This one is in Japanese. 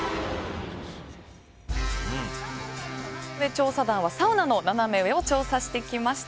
今回のナナメ上調査団はサウナのナナメ上を調査してきました。